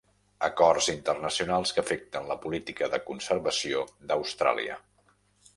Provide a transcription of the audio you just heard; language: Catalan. Acords internacionals que afecten la política de conservació d'Austràlia.